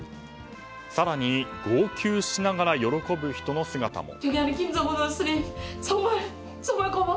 更に、号泣しながら喜ぶ人の姿も。